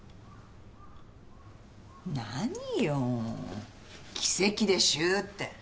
何よ奇跡でしゅって。